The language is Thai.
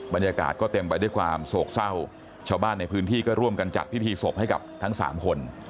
บรรยากาศก็เต็มไปด้วยความโศกเศร้าชาวบ้านในพื้นที่ก็ร่วมกันจัดพิธีศพให้กับทั้งสามคน